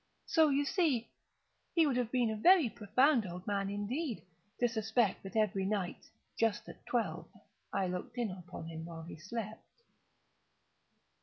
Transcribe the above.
So you see he would have been a very profound old man, indeed, to suspect that every night, just at twelve, I looked in upon him while he slept.